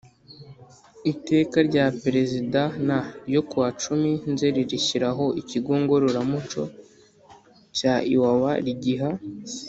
Iteka rya Perezida N ryo ku wa cumi nzeri rishyiraho ikigo Ngororamuco cya Iwawa rigiha